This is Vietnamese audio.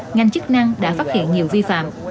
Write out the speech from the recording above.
ngành chức năng đã phát hiện nhiều vi phạm